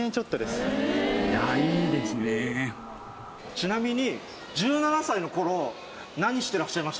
ちなみに。